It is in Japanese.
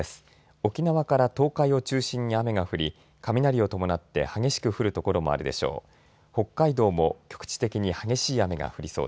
沖縄から東海を中心に雨が降り雷を伴って激しく降る所もあるでしょう。